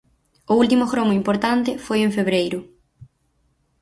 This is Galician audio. O último gromo importante foi en febreiro.